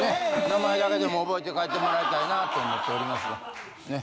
名前だけでも覚えて帰ってもらいたいなと思っておりますがね。